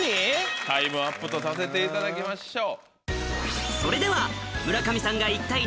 タイムアップとさせていただきましょう。